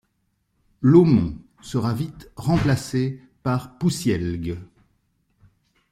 Laumont sera vite remplacé par Poussielgue.